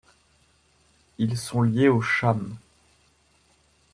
Ils sont liés aux Cham.